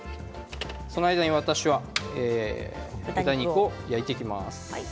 その間私は豚肉を焼いていきます。